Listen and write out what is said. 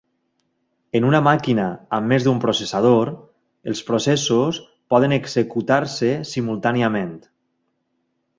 En una màquina amb més d'un processador, els processos poden executar-se simultàniament.